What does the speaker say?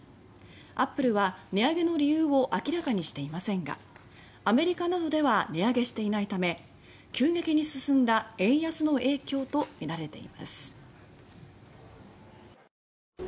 アップルは値上げの理由を明らかにしていませんがアメリカなどでは値上げしていないため急激に進んだ円安の影響とみられています。